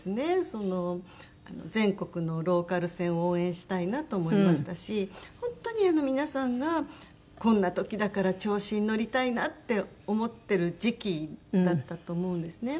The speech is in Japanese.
その全国のローカル線を応援したいなと思いましたし本当に皆さんがこんな時だから調子に乗りたいなって思ってる時期だったと思うんですね。